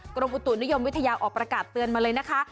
กรมอุตุนิยมวิทยาออกประกาศเตือนมาเลยนะคะ